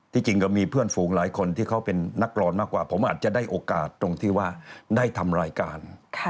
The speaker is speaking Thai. จริงก็มีเพื่อนฝูงหลายคนที่เขาเป็นนักรอนมากกว่าผมอาจจะได้โอกาสตรงที่ว่าได้ทำรายการ